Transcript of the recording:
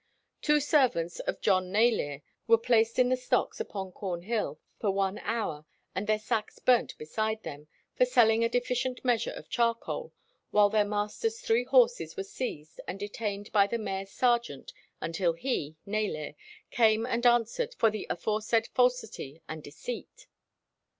Two servants of John Naylere were placed in the stocks upon Cornhill for one hour, and their sacks burnt beside them, for selling a deficient measure of charcoal, while their master's three horses were seized and detained by the mayor's sergeant until he (Naylere) came and answered for the aforesaid falsity and deceit.